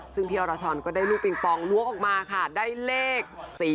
ซึ่งพี่ปราชรได้ลูกปริงปองลุกออกมาได้เลข๔